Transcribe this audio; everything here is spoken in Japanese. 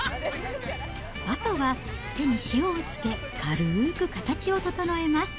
あとは手に塩をつけ、軽く形を整えます。